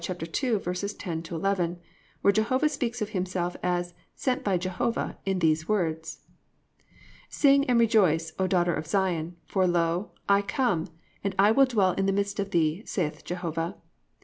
2:10, 11; where Jehovah speaks of Himself as sent by Jehovah in these words: +"Sing and rejoice, O daughter of Zion; for, lo, I come, and I will dwell in the midst of thee, saith Jehovah.